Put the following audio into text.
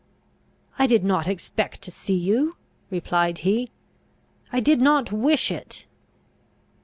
"I did not expect to see you!" replied he: "I did not wish it!"